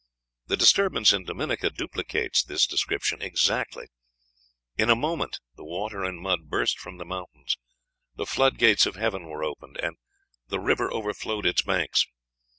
The disturbance in Dominica duplicates this description exactly: "In a moment" the water and mud burst from the mountains, "the floodgates of heaven were opened," and "the river overflowed its banks."